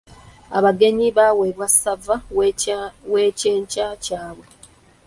Abagenyi baweebwa ssava w’ekyenkya kyabwe.